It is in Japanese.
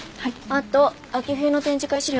あと秋冬の展示会資料